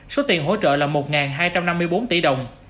số tiền hỗ trợ là một hai trăm năm mươi bốn tỷ đồng